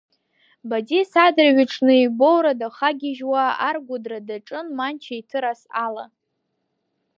Бадис адырҩаҽны ибоура дахагьежьуа аргәыдра даҿын Манча иҭырас ала.